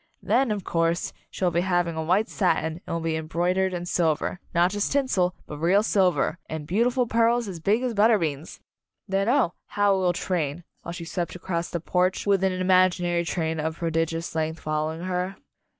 Then, of course, she will be having a white satin and it will be embroidered in silver not just tinsel, but real silver and beautiful pearls as 24 Anne's Wedding big as butter beans ! Then oh, how it will train," while she swept across the porch with an imaginary train of prodigious length following her.